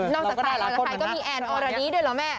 น้องสักทายก็มีแอนด์อราดี้ด้วยเหรอแม่